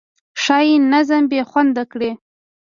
ښایي نظم بې خونده کړي.